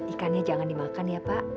ikannya jangan dimakan ya pak